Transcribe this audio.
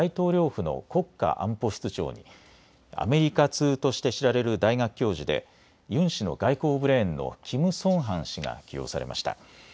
府の国家安保室長にアメリカ通として知られる大学教授でユン氏の外交ブレーンのキム・ソンハン氏が起用されました。